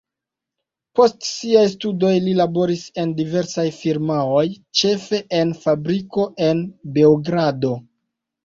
Post siaj studoj li laboris en diversaj firmaoj, ĉefe en fabriko en Beogrado.